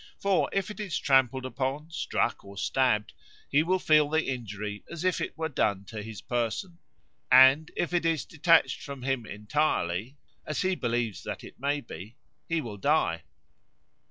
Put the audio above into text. For if it is trampled upon, struck, or stabbed, he will feel the injury as if it were done to his person; and if it is detached from him entirely (as he believes that it may be) he will die.